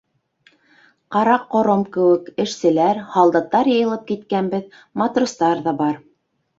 Ҡара ҡором кеүек, эшселәр, һалдаттар йыйылып киткәнбеҙ, матростар ҙа бар.